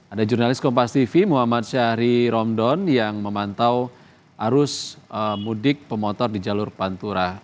ada jurnalis kompas tv muhammad syahri romdon yang memantau arus mudik pemotor di jalur pantura